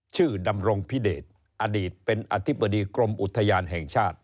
ดำรงพิเดชอดีตเป็นอธิบดีกรมอุทยานแห่งชาติ